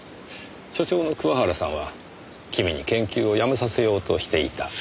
所長の桑原さんは君に研究を止めさせようとしていた。